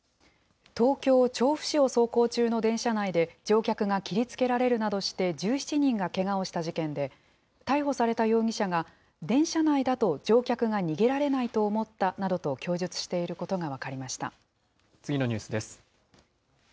東京・調布市を走行中の電車内で、乗客が切りつけられるなどして、１７人がけがをした事件で、逮捕された容疑者が、電車内だと乗客が逃げられないと思ったなどと供述していることが次のニュースです。